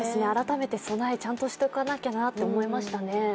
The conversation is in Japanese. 改めて備え、ちゃんとしておかなきゃって思いましたね。